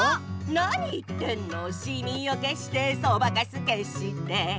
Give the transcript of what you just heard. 「何言ってんのしみをけしてそばかすけして」